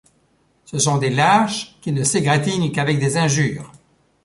Ce sont des lâches, qui ne s’égratignent qu’avec des injures.